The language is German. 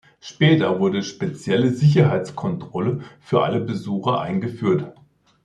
Später wurden spezielle Sicherheitskontrollen für alle Besucher eingeführt.